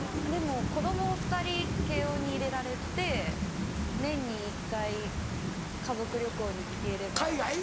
でも子供２人慶應に入れられて年に１回家族旅行に行ければ。